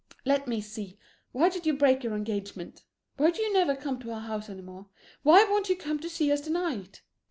Let me see why did you break your engagement? Why do you never come to our house any more? Why won't you come to see us tonight?